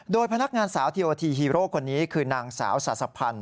โดยพนักงานสาวทีโอทีฮีโร่คนนี้คือนางสาวศาสพันธ์